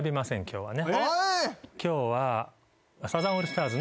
今日は。